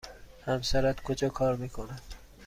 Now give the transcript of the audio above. همسرت کجا کار می کند؟